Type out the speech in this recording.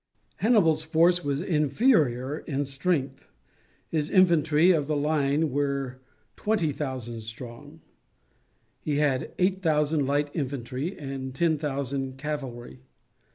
Hannibal's force was inferior in strength; his infantry of the line were twenty thousand strong. He had eight thousand light infantry and ten thousand cavalry.